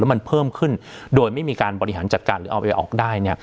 มันเพิ่มขึ้นโดยไม่มีการบริหารจัดการหรือเอาไปออกได้